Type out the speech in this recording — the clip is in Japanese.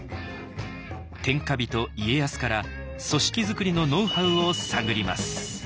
天下人家康から組織づくりのノウハウを探ります。